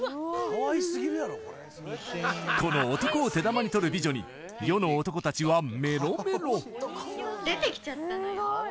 この男を手玉に取る美女に世の男たちはメロメロ出てきちゃったのよ